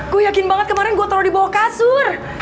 gue yakin banget kemarin gue taruh di bawah kasur